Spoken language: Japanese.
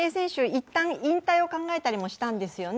いったん、引退を考えたりもしたんですよね